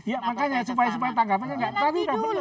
supaya tanggapannya enggak